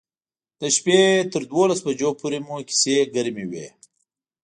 د شپې تر دولس بجو پورې مو کیسې ګرمې وې.